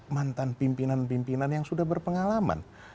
mantan pimpinan pimpinan yang sudah berpengalaman